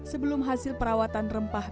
sebelum hasil perawatan rempah